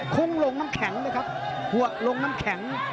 ุ้งลงน้ำแข็งเลยครับหัวลงน้ำแข็ง